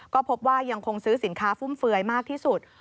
ก็พบว่ายังคงซื้อสินค้าฟุ่มเฟือยมากที่สุด